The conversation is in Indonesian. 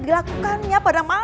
bilang lagi dulu fak virna